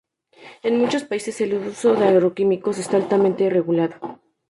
En muchos países, el uso de agroquímicos está altamente regulado.